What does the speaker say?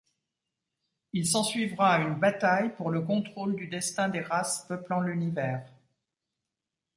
Il s'ensuivra une bataille pour le contrôle du destin des races peuplant l'univers.